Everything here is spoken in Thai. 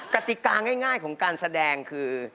กติกาง่ายของการแสดงคือ